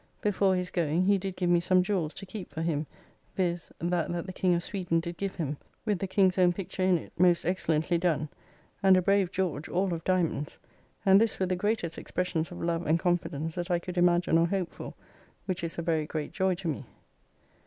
Before his going he did give me some jewells to keep for him, viz., that that the King of Sweden did give him, with the King's own picture in it, most excellently done; and a brave George, all of diamonds, and this with the greatest expressions of love and confidence that I could imagine or hope for, which is a very great joy to me.